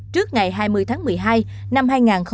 trước ngày hai mươi tháng một mươi hai năm hai nghìn hai mươi